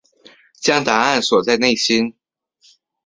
将答案锁在内心